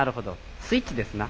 スイッチですな。